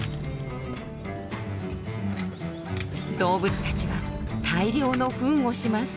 動物たちは大量のフンをします。